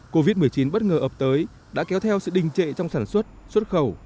covid một mươi chín bất ngờ ập tới đã kéo theo sự đình trệ trong sản xuất xuất khẩu